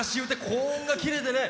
高音がきれいでね。